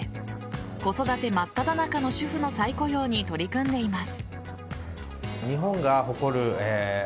子育て真っただ中の主婦の再雇用に取り組んでいます。